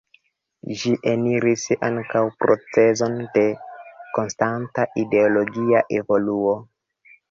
Ĝi eniris ankaŭ procezon de konstanta ideologia evoluo.